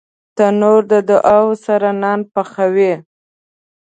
تنور د دعاوو سره نان پخوي